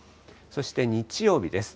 そして日曜日です。